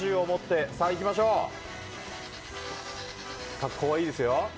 格好はいいですよ。